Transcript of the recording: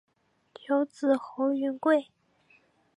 有子侯云桂。